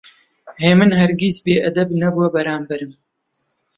هێمن هەرگیز بێئەدەب نەبووە بەرامبەرم.